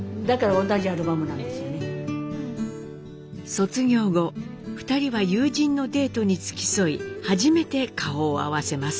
卒業後２人は友人のデートに付き添い初めて顔を合わせます。